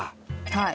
はい。